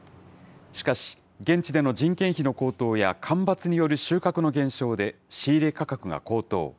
しかし、現地での人件費の高騰や、干ばつによる収穫の減少で仕入れ価格が高騰。